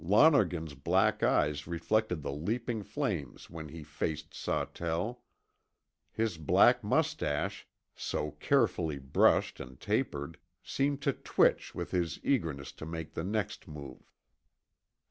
Lonergan's black eyes reflected the leaping flames when he faced Sawtell. His black mustache, so carefully brushed and tapered, seemed to twitch with his eagerness to make the next move.